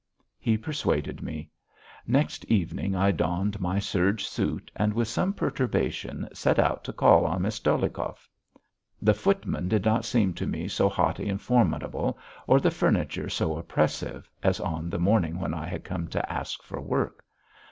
He persuaded me. Next evening I donned my serge suit and with some perturbation set out to call on Miss Dolyhikov. The footman did not seem to me so haughty and formidable, or the furniture so oppressive, as on the morning when I had come to ask for work.